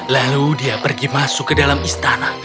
lalu dia pergi masuk ke dalam istana